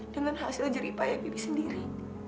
dengan hasil jeripaya bibi sendiri